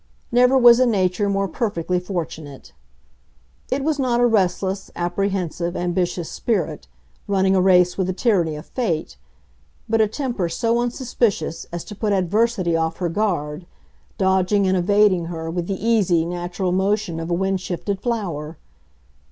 Never was a nature more perfectly fortunate. It was not a restless, apprehensive, ambitious spirit, running a race with the tyranny of fate, but a temper so unsuspicious as to put Adversity off her guard, dodging and evading her with the easy, natural motion of a wind shifted flower.